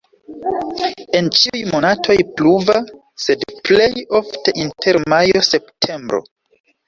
En ĉiuj monatoj pluva, sed plej ofte inter majo-septembro.